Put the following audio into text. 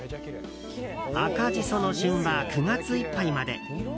赤ジソの旬は９月いっぱいまで。